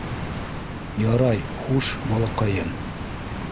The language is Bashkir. Ярай, хуш, балаҡайым.